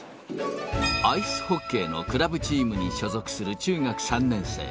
アイスホッケーのクラブチームに所属する中学３年生。